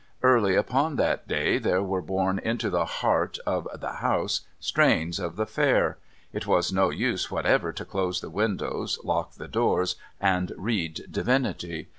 Early upon that day there were borne into the heart of the house strains of the Fair. It was no use whatever to close the windows, lock the doors, and read Divinity.